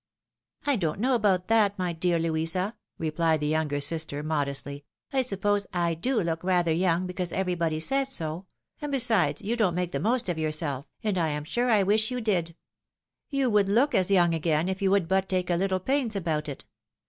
" I don't know about that, my dear Louisa," replied the younger sister, modestly. " I suppose I do look rather young, because everybody says so ; and besides you don't make the most of yourself, and I am saie I wish you did ; you would look as young again if you would but take a little pains about it.